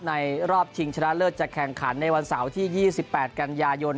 รอบชิงชนะเลิศจะแข่งขันในวันเสาร์ที่๒๘กันยายน